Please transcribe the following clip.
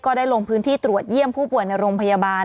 ได้ลงพื้นที่ตรวจเยี่ยมผู้ป่วยในโรงพยาบาล